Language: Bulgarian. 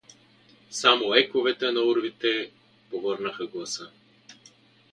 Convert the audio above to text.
Само ековете на урвите повърнаха гласа.